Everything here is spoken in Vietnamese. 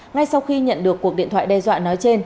ngay sau khi nhận được cuộc điện thoại đe dọa nói trên